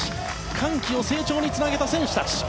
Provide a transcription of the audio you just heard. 歓喜を成長につなげた選手たち。